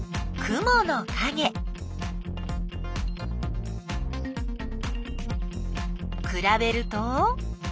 くらべると？